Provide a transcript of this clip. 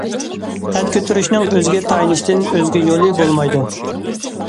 قەد كۆتۈرۈشنىڭ ئۆزىگە تايىنىشتىن ئۆزگە يولى بولمايدۇ.